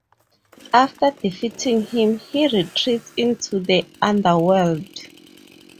After defeating him, he retreats into the Underworld.